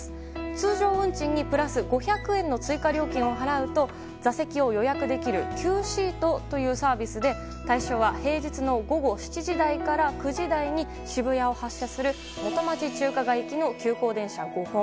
通常運賃にプラス５００円の追加料金を払うと座席を予約できるＱＳＥＡＴというサービスで対象は、平日の午後７時台から９時台に渋谷を発車する元町・中華街行きの急行電車５本。